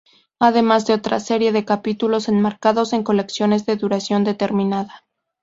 Además de otra serie de capítulos enmarcados en colecciones de duración determinada.